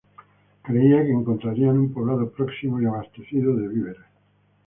Creía que encontrarían un poblado próximo y abastecido de víveres.